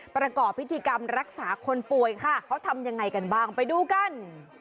ประกอบพิธีกรรมรักษาคนป่วยค่ะเขาทำยังไงกันบ้างไปดูกัน